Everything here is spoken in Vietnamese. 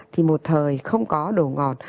thì một thời không có đồ ngọt